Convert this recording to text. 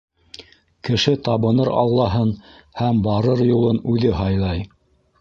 Кеше табыныр аллаһын һәм барыр юлын үҙе һайлай.